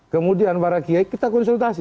kemudian para kiai kita konsultasi